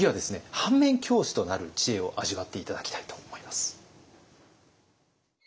反面教師となる知恵を味わって頂きたいと思います。